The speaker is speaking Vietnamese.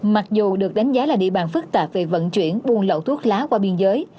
mặc dù được đánh giá là địa bàn phức tạp về vận chuyển buôn lậu thuốc lá qua biên giới